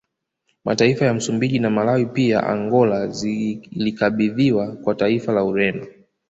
Mataifa ya Msumbiji na Malawi pia Angola zilikabidhiwa kwa taifa la Ureno